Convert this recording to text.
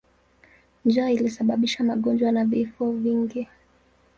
Njaa ilisababisha magonjwa na vifo vingi.